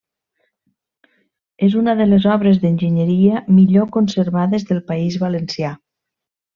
És una de les obres d'enginyeria millor conservades del País Valencià.